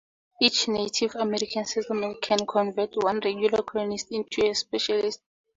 Each Native American settlement can convert one regular colonist into a specialist.